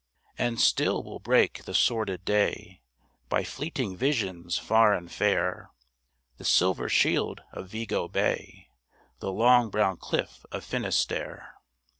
And still we'll break the sordid day By fleeting visions far and fair, The silver shield of Vigo Bay, The long brown cliff of Finisterre.